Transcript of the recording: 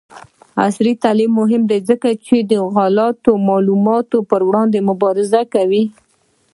عصري تعلیم مهم دی ځکه چې د غلطو معلوماتو پر وړاندې مبارزه کوي.